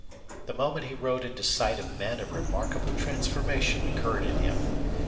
The moment he rode into sight of men a remarkable transformation occurred in him.